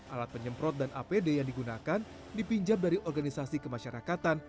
alat penyemprot dan apd yang digunakan dipinjam dari organisasi kemasyarakatan